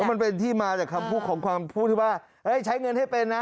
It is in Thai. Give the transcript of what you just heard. มันเป็นที่มาจากคำพูดของความพูดที่ว่าใช้เงินให้เป็นนะ